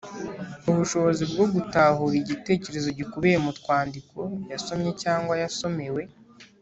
Ubushobozi bwo gutahura igitekerezo gikubiye mu twandiko yasomye cyangwa yasomewe.